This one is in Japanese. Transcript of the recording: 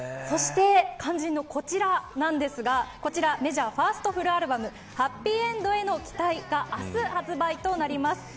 そして肝心のこちらなんですがメジャーファーストフルアルバムハッピーエンドへの期待は、が明日発売となります。